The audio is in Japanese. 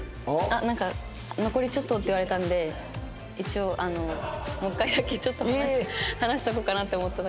なんか残りちょっとって言われたので一応もう一回だけちょっと話しておこうかなって思った。